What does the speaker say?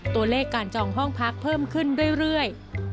ตัวเลขการจองห้องพักเพิ่มขึ้นเรื่อย